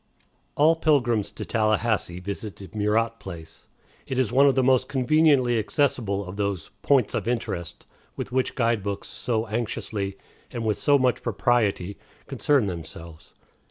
All pilgrims to Tallahassee visit the Murat place. It is one of the most conveniently accessible of those "points of interest" with which guide books so anxiously, and with so much propriety, concern themselves.